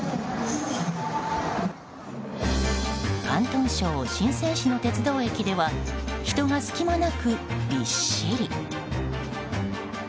広東省シンセン市の鉄道駅では人が隙間なく、びっしり。